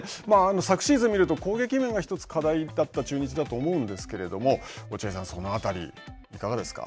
昨シーズンを見ると攻撃面が１つ課題だった中日だと思うんですけれども、落合さん、その辺りいかがですか。